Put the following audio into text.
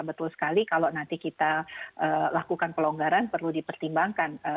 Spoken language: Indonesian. betul sekali kalau nanti kita lakukan pelonggaran perlu dipertimbangkan